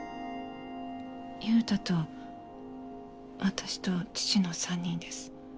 優太と私と父の３人です。